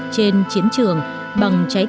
trên chiến tranh